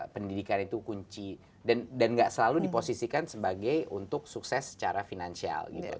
pendidikan itu kunci dan nggak selalu diposisikan sebagai untuk sukses secara finansial